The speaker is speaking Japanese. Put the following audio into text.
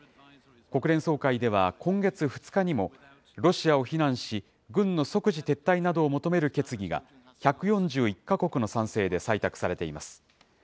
国連総会では、今月２日にも、ロシアを非難し、軍の即時撤退などを求める決議が１４１か国の賛成で採択されています。